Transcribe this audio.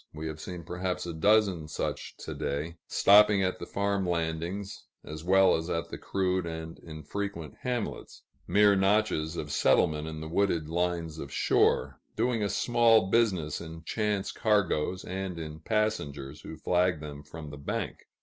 We have seen perhaps a dozen such to day, stopping at the farm landings as well as at the crude and infrequent hamlets, mere notches of settlement in the wooded lines of shore, doing a small business in chance cargoes and in passengers who flag them from the bank.